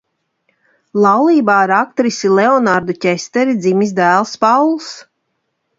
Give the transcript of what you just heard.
Laulībā ar aktrisi Leonardu Ķesteri dzimis dēls Pauls.